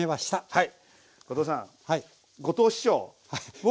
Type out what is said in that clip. はい。